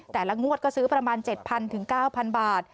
แต่ละงวดก็ซื้อประมาณ๗๐๐๙๐๐บาท